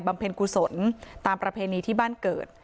เพ็ญกุศลตามประเพณีที่บ้านเกิด